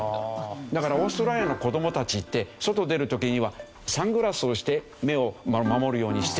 だからオーストラリアの子供たちって外出る時にはサングラスをして目を守るようにしてるんです。